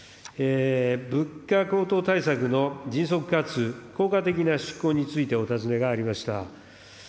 物価高騰対策の迅速かつ効果的な執行について、お尋ねがありました。